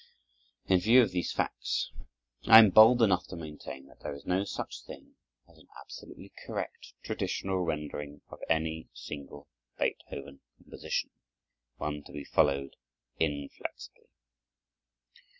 In view of these facts, I am bold enough to maintain that there is no such thing as an absolutely correct traditional rendering of any single Beethoven composition, one to be followed inflexibly.